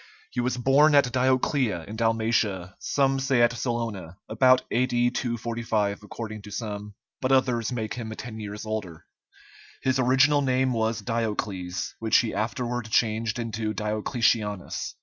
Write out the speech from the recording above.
He was born at Dioclea, in Dalmatia, some say at Salona, about A.D. 245 according to some, but others make him ten years older. His original name was Diocles, which he afterward changed into Diocletianus.